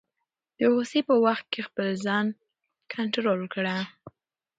د غصې په وخت کې خپل ځان کنټرول کړه.